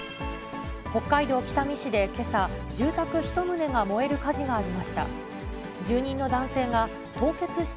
北海道北見市でけさ、住宅１棟が燃える火事がありました。